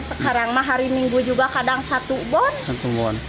sekarang mah hari minggu juga kadang satu bon